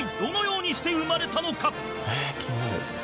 え気になる。